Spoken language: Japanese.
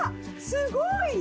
すごい！